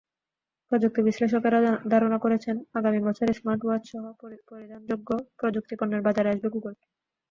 প্রযুক্তি বিশ্লেষকেরা ধারণা করছেন, আগামী বছর স্মার্ট ওয়াচসহ পরিধানযোগ্য প্রযুক্তিপণ্যের বাজারে আসবে গুগল।